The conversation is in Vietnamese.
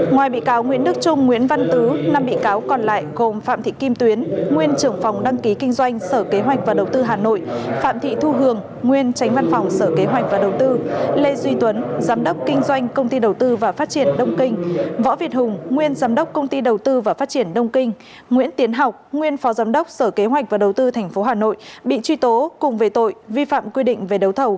ngoài bị cáo nguyễn đức trung nguyễn văn tứ năm bị cáo còn lại gồm phạm thị kim tuyến nguyên trưởng phòng đăng ký kinh doanh sở kế hoạch và đầu tư hà nội phạm thị thu hường nguyên tránh văn phòng sở kế hoạch và đầu tư lê duy tuấn giám đốc kinh doanh công ty đầu tư và phát triển đông kinh võ việt hùng nguyên giám đốc công ty đầu tư và phát triển đông kinh nguyễn tiến học nguyên phó giám đốc sở kế hoạch và đầu tư tp hà nội bị truy tố cùng về tội vi phạm quy định về